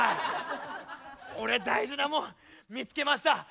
俺大事なもん見つけました。